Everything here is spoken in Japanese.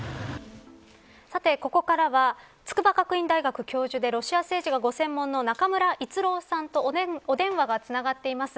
さて、ここからは筑波学院大学教授でロシア政治がご専門の中村逸郎さんとお電話がつながっています。